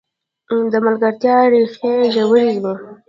د ملګرتیا ریښې ژورې وي.